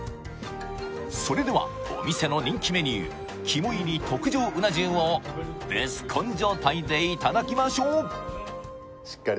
それではお店の人気メニュー肝入り特上うな重をベスコン状態でいただきましょう！